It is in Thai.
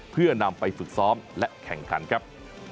เพื่อนำไปฝึกซ้อมและแข่งขันครับ